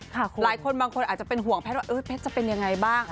หลายคนบางคนอาจจะเป็นห่วงแพทย์ว่าแพทย์จะเป็นยังไงบ้าง